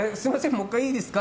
もう１回いいですか？